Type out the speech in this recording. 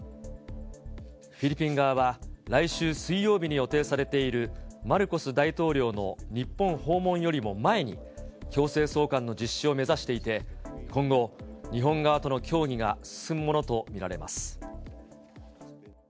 フィリピン側は来週水曜日に予定されているマルコス大統領の日本訪問よりも前に、強制送還の実施を目指していて、今後、日本側との協議が進むものと見られます。